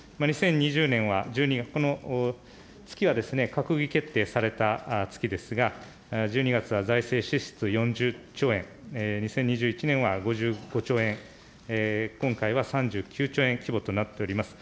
２０２０年は、１２、この月は閣議決定された月ですが、１２月は財政支出４０兆円、２０２１年は５５兆円、今回は３９兆円規模となっております。